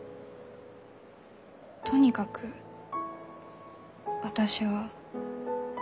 とにかく私は。